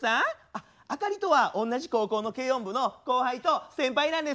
アカリとは同じ高校の軽音部の後輩と先輩なんです。